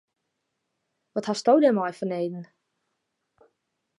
Wat hasto dêrmei fanneden?